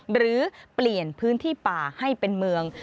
หรือเปลี่ยนพื้นที่ป่าให้เป็นเมือง